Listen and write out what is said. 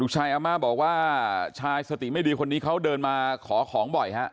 ชายอาม่าบอกว่าชายสติไม่ดีคนนี้เขาเดินมาขอของบ่อยฮะ